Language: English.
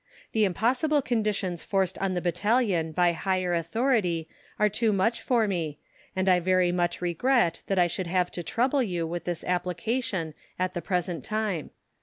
The impossible conditions forced on the battalion by higher authority are too much for me, and I very much regret that I should have to trouble you with this application at the present time.